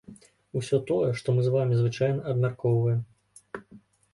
Усё тое, што мы з вамі звычайна абмяркоўваем.